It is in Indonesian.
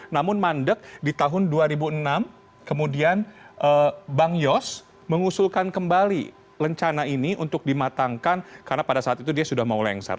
namun mandek di tahun dua ribu enam kemudian bang yos mengusulkan kembali lencana ini untuk dimatangkan karena pada saat itu dia sudah mau lengsar